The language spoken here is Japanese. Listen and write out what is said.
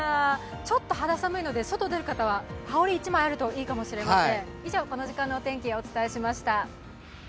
ちょっと肌寒いので、外出る方は羽織１枚あるといいかもしれません。